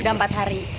sudah empat hari